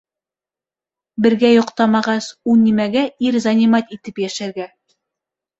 Бергә йоҡтамағас, у нимәгә ир занимать итеп йәшәргә?!